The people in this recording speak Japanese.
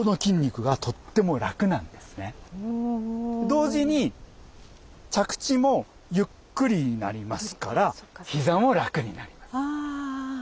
同時に着地もゆっくりになりますからひざも楽になります。